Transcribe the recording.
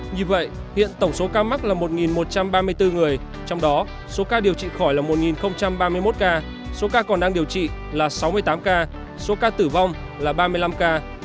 như vậy hiện tổng số ca mắc là một một trăm ba mươi bốn người trong đó số ca điều trị khỏi là một ba mươi một ca số ca còn đang điều trị là sáu mươi tám ca số ca tử vong là ba mươi năm ca